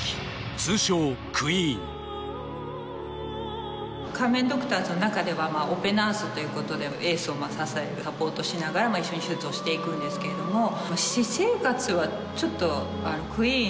通称クイーン仮面ドクターズの中ではオペナースということでエースを支えるサポートしながら一緒に手術をしていくんですけれども私生活はちょっとクイーン